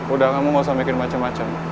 udah kamu gak usah bikin macem macem